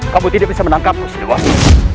kamu tidak bisa menangkapku siliwangi